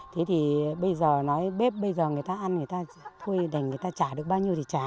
thế thì bây giờ nói bếp bây giờ người ta ăn người ta thôi đành người ta trả được bao nhiêu thì trả